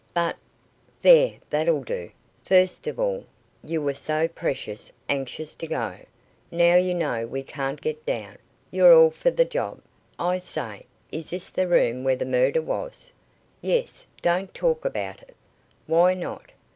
"But " "There, that'll do. First of all, you were so precious anxious to go. Now you know we can't get down, you're all for the job. I say, is this the room where the murder was?" "Yes; don't talk about it." "Why not?